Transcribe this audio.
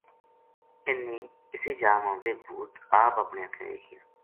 اِنھ نے اسی جا ما ویہ بھوت آپ اپنی اَکھیں دیکھیا